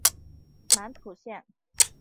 满浦线